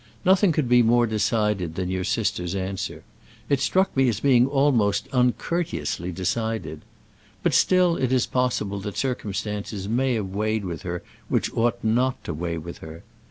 Nothing could be more decided than your sister's answer. It struck me as being almost uncourteously decided. But still it is possible that circumstances may have weighed with her, which ought not to weigh with her.